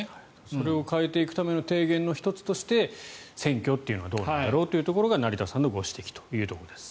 それを変えていくための提言の１つとして選挙というのはどうなんだろうというところが成田さんのご指摘というところです。